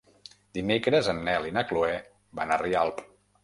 Dimecres en Nel i na Chloé van a Rialp.